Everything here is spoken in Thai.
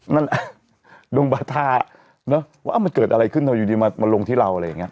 นั่นอ่ะลงบรรทาเนอะว่ามันเกิดอะไรขึ้นเนอะอยู่ดีมันมาลงที่เราอะไรอย่างเงี้ย